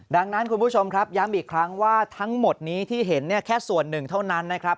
ดังนั้นคุณผู้ชมครับย้ำอีกครั้งว่าทั้งหมดนี้ที่เห็นเนี่ยแค่ส่วนหนึ่งเท่านั้นนะครับ